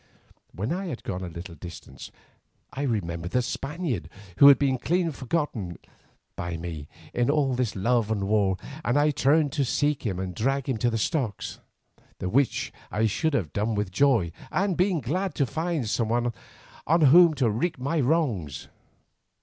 When I had gone a little distance I remembered the Spaniard, who had been clean forgotten by me in all this love and war, and I turned to seek him and drag him to the stocks, the which I should have done with joy, and been glad to find some one on whom to wreak my wrongs.